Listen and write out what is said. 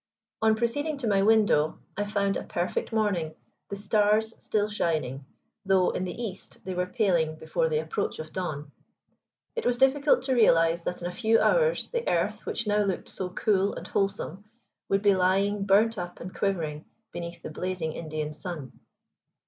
On proceeding to my window I found a perfect morning, the stars still shining, though in the east they were paling before the approach of dawn. It was difficult to realize that in a few hours the earth which now looked so cool and wholesome would be lying, burnt up and quivering, beneath the blazing Indian sun.